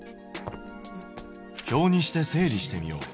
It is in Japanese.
表にして整理してみよう。